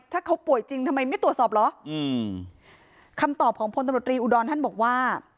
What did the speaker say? ถ้าเขาป่วยจริงทำไมไม่ตรวจสอบเหรออืมคำตอบของพลตำรวจรีอุดรท่านบอกว่า